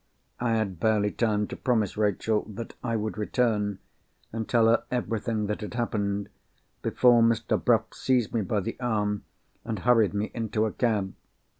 I had barely time to promise Rachel that I would return, and tell her everything that had happened, before Mr. Bruff seized me by the arm, and hurried me into a cab.